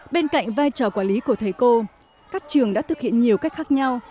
bên cạnh vai trò quản lý của thầy cô các trường đã thực hiện nhiều cách khác nhau